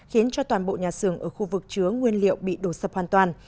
khiến cho toàn bộ nhà xưởng ở khu vực chứa nguyên liệu bị đổ sập hoàn toàn